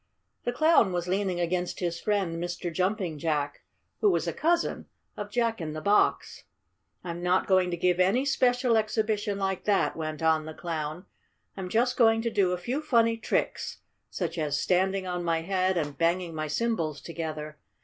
The Clown was leaning against his friend Mr. Jumping Jack, who was a cousin of Jack in the Box. "I'm not going to give any special exhibition like that," went on the Clown. "I'm just going to do a few funny tricks, such as standing on my head and banging my cymbals together.